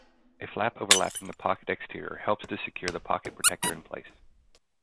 A flap overlapping the pocket exterior helps to secure the pocket protector in place.